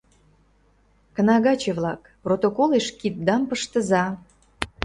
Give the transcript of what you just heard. Кнагаче-влак, протоколеш киддам пыштыза!